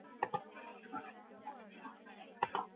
丁彦雨航被授予本次比赛最有价值球员。